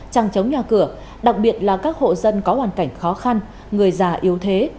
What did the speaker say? trăng chống nhà cửa đặc biệt là các hộ dân có hoàn cảnh khó khăn người già yếu thế